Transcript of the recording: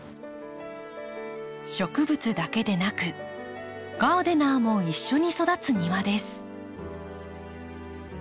植物だけでなくガーデナーも一緒に育つ庭です。